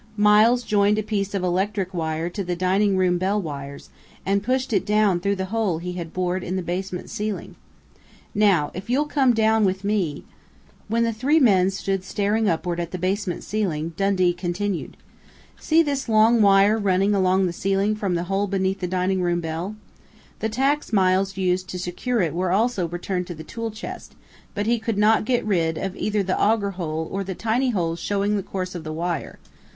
Miles joined a piece of electric wire to the dining room bell wires, and pushed it down through the hole he had bored into the basement ceiling. Now if you'll come down with me " When the three men stood staring upward at the basement ceiling, Dundee continued: "See this long wire running along the ceiling from the hole beneath the dining room bell? The tacks Miles used to secure it were also returned to the tool chest, but he could not get rid of either the augur hole or the tiny holes showing the course of the wire....